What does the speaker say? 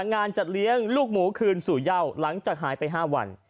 งานจัดเลี้ยงลูกหมูคืนสู่เย่าหลังจากหายไป๕วัน